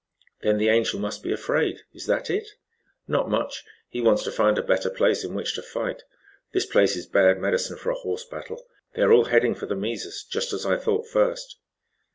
"Then the Angel must be afraid. Is that it?" "Not much. He wants to find a better place in which to fight. This place is bad medicine for a horse battle. They're all heading for the mesas, just as I thought first."